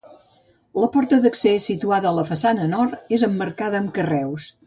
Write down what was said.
La porta d'accés situada a la façana nord és emmarcada amb carreus.